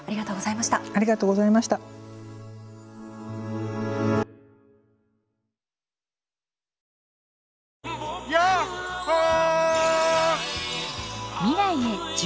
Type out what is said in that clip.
ありがとうございました。ヤッホー。